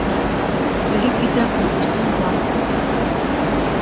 Вялікі дзякуй усім вам!